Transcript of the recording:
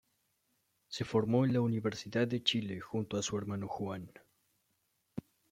Se formó en la Universidad de Chile junto a su hermano Juan.